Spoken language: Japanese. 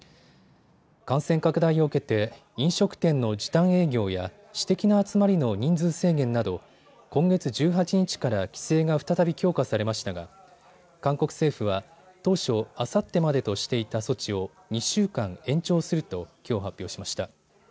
感染拡大を受けて飲食店の時短営業や私的な集まりの人数制限など今月１８日から規制が再び強化されましたが韓国政府は当初あさってまでとしていた措置を２週間延長するときょう発表しました。